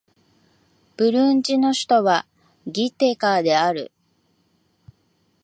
ブルンジの首都はギテガである